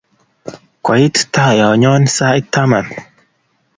Koit tayonnyo sait taman